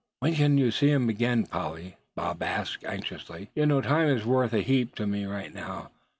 "When can I see you again, Polly?" Bob asked, anxiously. "You know time is worth a heap to me right now.